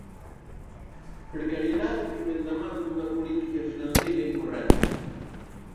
Precariedade que vén da man dunha política financeira incorrecta.